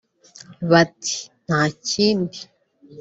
bati "Nta kindi